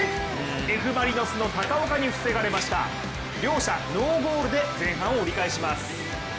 Ｆ・マリノスの高丘に防がれました両者ノーゴールで前半を折り返します。